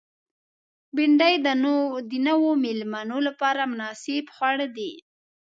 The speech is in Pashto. بېنډۍ د نوو مېلمنو لپاره مناسب خواړه دي